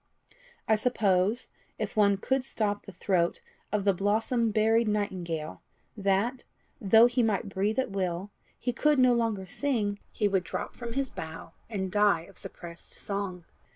I suppose, if one could so stop the throat of the blossom buried nightingale, that, though he might breathe at will, he could no longer sing, he would drop from his bough, and die of suppressed song.